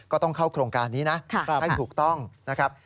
ต้องเข้าโครงการนี้นะให้ถูกต้องนะครับ